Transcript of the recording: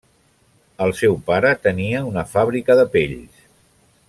El seu pare tenia una fàbrica de pells.